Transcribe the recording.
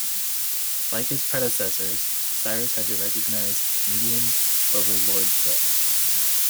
Like his predecessors, Cyrus had to recognize Median overlordship.